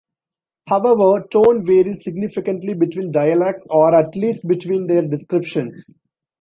However, tone varies significantly between dialects, or at least between their descriptions.